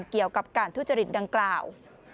เกี่ยวกับการทุจริตดังกล่าว